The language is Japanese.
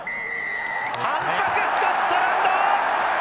反則スコットランド！